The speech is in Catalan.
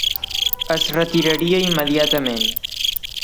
Es retiraria immediatament.